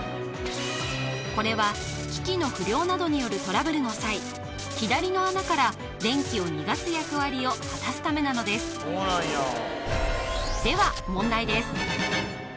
これは機器の不良などによるトラブルの際左の穴から電気を逃がす役割を果たすためなのですでは問題です